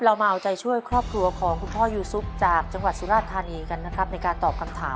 ปัจจุบันนะครับครับ